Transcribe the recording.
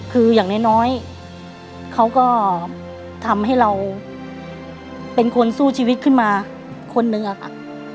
คืออย่างน้อยเขาก็ทำให้เราเป็นคนสู้ชีวิตขึ้นมาคนนึงอะค่ะ